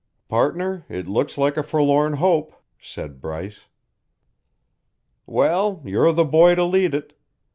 "Partner, it looks like a forlorn hope," said Bryce. "Well, you're the boy to lead it.